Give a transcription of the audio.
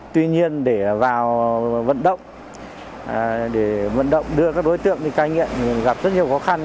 tuy nhiên để vào vận động đưa các đối tượng đi cai nghiện gặp rất nhiều khó khăn